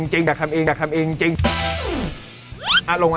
เฮ้ยอยากทำเองจริง